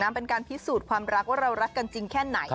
เป็นการพิสูจน์ความรักว่าเรารักกันจริงแค่ไหน